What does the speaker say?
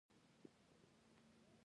ځینې خلک د ډبرو په لټون کې الماس بایلي.